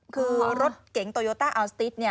คือรถเก๋งโตโยต้าอัลสติ๊ก